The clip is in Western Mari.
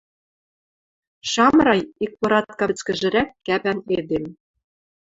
Шамрай — икпоратка вӹцкӹжрӓк кӓпӓн эдем.